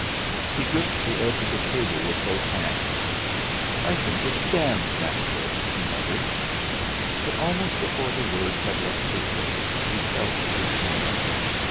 He gripped the edge of the table with both hands. "I think it's d d natural!" he muttered. But almost before the words had left his lips he felt dismay.